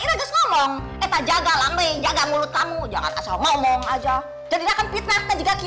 irages ngomong etajaga lambe jaga mulut kamu jangan asal ngomong aja jadi akan fitnah